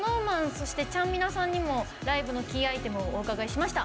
そして、ちゃんみなさんにもライブのキーアイテムをお伺いしました。